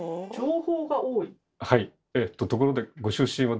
はい。